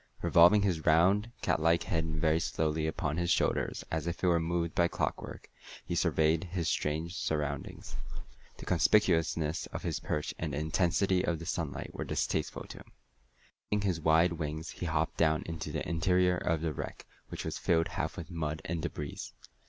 Revolving his round, catlike head very slowly upon his shoulders, as if it were moved by clockwork, he surveyed his strange surroundings. The conspicuousness of his perch and the intensity of the sunlight were distasteful to him. Lifting his wide wings, he hopped down into the interior of the wreck, which was half filled with mud and débris.